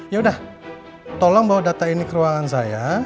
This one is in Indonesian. ya udah tolong bawa data ini ke ruangan saya